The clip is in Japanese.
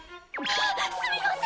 わっすみません！